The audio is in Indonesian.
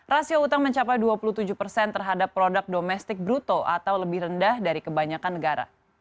rasio utang mencapai dua puluh tujuh persen terhadap produk domestik bruto atau lebih rendah dari kebanyakan negara